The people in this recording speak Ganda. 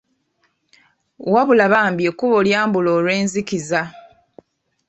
Wabula bambi ekkubo lya mubula olw'enzikiza.